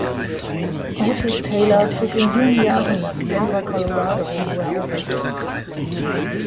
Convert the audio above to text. Otis Taylor zog in jungen Jahren nach Denver, Colorado, wo er aufwuchs.